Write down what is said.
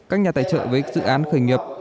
các nhà tài trợ với dự án khởi nghiệp